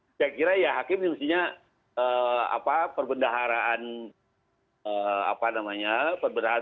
saya kira ya hakim yang mestinya perbendaharaan apa namanya